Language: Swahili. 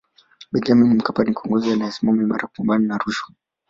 benjamin mkapa ni kiongozi aliyesimama imara kupambana na rushwa